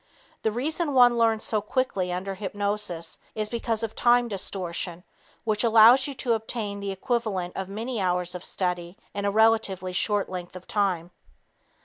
The reason one learns so quickly under hypnosis is because of time distortion which allows you to obtain the equivalent of many hours of study in a relatively short length of time.